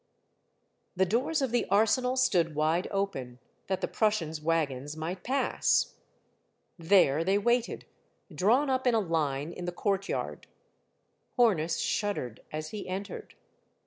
V. The doors of the Arsenal stood wide open, that the Prussians' wagons might pass. There they waited, drawn up in line, in the courtyard. Hornus shuddered, as he entered.